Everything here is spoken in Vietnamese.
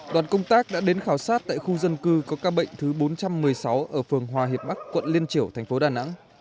đoàn công tác đã đến khảo sát tại khu dân cư có ca bệnh thứ bốn trăm một mươi sáu ở phường hòa hiệp bắc quận liên triểu thành phố đà nẵng